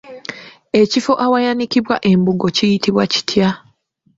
Ekifo awaanikibwa embugo kiyitibwa kitya?